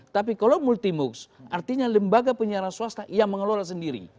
tapi kalau multi moocs artinya lembaga penyiaran swasta yang mengelola sendiri